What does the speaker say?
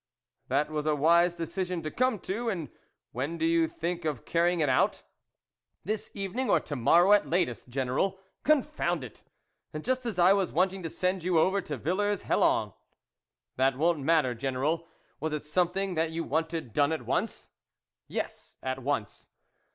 " That was a wise decision to come to. And when do you think of carrying it out ?" B THE WOLF LEADER " This evening, or to morrow at latest, General." " Confound it ! And just as I was wanting to send you over to Villers Hel lon." " That won't matter, General. Was it something that you wanted done at once ?"" Yes, at once."